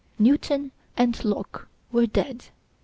Newton and Locke were dead.